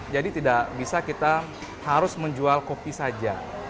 tidak bisa kita harus menjual kopi saja